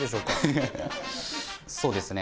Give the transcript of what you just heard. そうですね。